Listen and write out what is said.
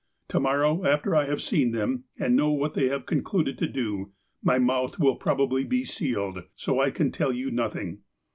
To morrow, after I have seen them, and know what they have concluded to do, my mouth will probably be sealed, so I can tell you nothing.